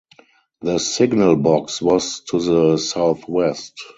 The signal box was to the southwest.